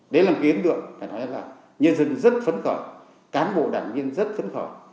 đấy là một cái ấn tượng phải nói là nhân dân rất phấn khởi cán bộ đảng viên rất phấn khởi